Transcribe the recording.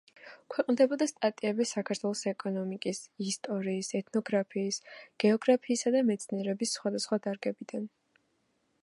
ქვეყნდებოდა სტატიები საქართველოს ეკონომიკის, ისტორიის, ეთნოგრაფიის, გეოგრაფიისა და მეცნიერების სხვადასხვა დარგებიდან.